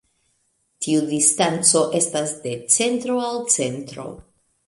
Tiu distanco estas de centro al centro.